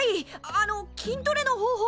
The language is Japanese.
あの筋トレの方法を。